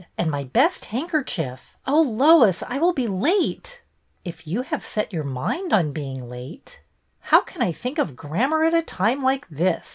And my best handkerchief? Oh, Lois, I will be late !'''' If you have set your mind on being late —'' How can I think of grammar at a time like this